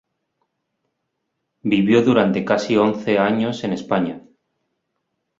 Vivió durante casi once años en España.